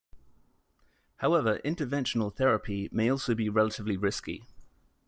However, interventional therapy may also be relatively risky.